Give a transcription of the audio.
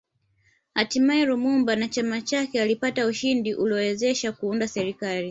Hatimae Lumumba na chama chake walipata ushindi uliowawezesha Kuunda serikali